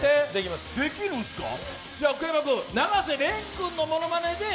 じゃあ福山君、永瀬君のものまねで。